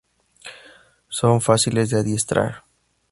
Son fáciles de adiestrar.